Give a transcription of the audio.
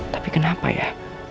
tapi kenapa ya